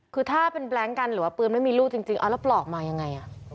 คือถ้าเป็นแบล็งกันหรือว่าปืนไม่มีลูกจริงเอาแล้วปลอกมายังไง